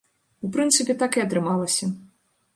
У прынцыпе, так і атрымалася.